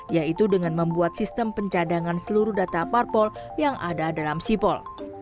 yaitu dengan membuat sistem pencadangan seluruh data parpol yang ada dalam sipol